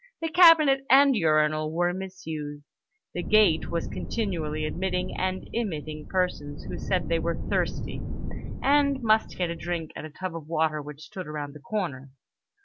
The cabinet and urinal were misused. The gate was continually admitting and emitting persons who said they were thirsty, and must get a drink at a tub of water which stood around the corner.